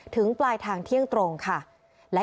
ปลายทางเที่ยงตรงค่ะ